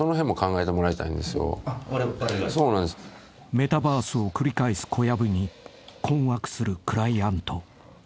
［メタバースを繰り返す小籔に困惑するクライアント］